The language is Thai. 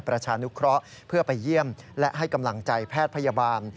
ประชานุเคราะห์เพื่อไปเยี่ยมและให้กำลังใจแพทย์พยาบาล